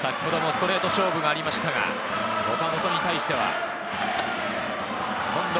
先ほどもストレート勝負がありましたが、岡本に対しては、今度は